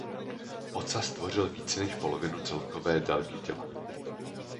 Ocas tvořil více než polovinu celkové délky těla.